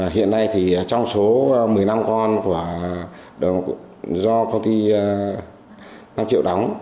hiện nay thì trong số một mươi năm con do công ty năm triệu đóng